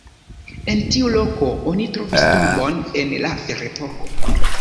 En tiu loko oni trovis tombon el la ferepoko.